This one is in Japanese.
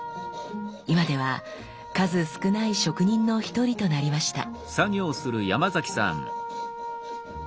今では数少ない職人の一人となりました。